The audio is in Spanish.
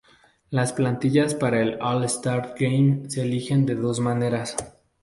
Las plantillas para el All-Star Game se eligen de dos maneras.